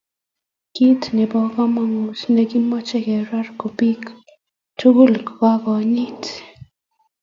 Kiit ne bo komonut ne kimoche keger ko biik tugul ko konyit.